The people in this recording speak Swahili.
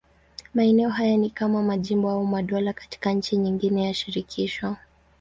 Maeneo haya ni kama majimbo au madola katika nchi nyingine ya shirikisho.